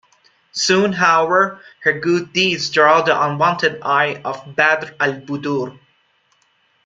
Soon, however, her good deeds draw the unwanted eye of Badr Al-Budur.